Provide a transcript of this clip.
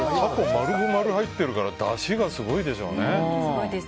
丸々入ってるからだしがすごいでしょうね。